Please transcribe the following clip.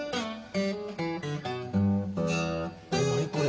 何これ。